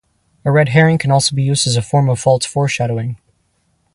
A red herring can also be used as a form of false foreshadowing.